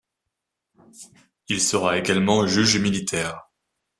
Il sera également juge militaire.